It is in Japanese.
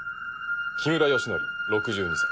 木村良徳６２歳。